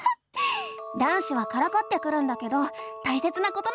男子はからかってくるんだけどたいせつなことなんだよね。